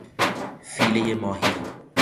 فیلهی ماهی